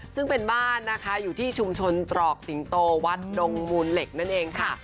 ซึ่งเป็นบ้านนะคะอยู่ที่ชุมชนตรอกสิงโตวัดดงมูลเหล็กนั่นเองค่ะ